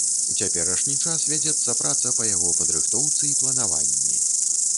У цяперашні час вядзецца праца па яго падрыхтоўцы і планаванні.